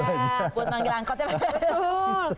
buat manggil angkot ya pak kienes